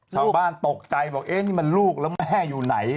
ชาวบ้านตกใจบอกเอ๊ะนี่มันลูกแล้วแม่อยู่ไหน